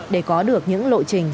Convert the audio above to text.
để có được những lộ trình